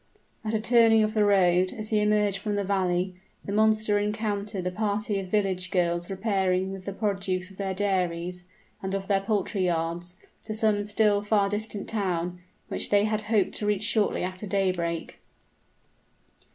At a turning of the road, as he emerged from the valley, the monster encountered a party of village girls repairing with the produce of their dairies, and of their poultry yards, to some still far distant town, which they had hoped to reach shortly after daybreak.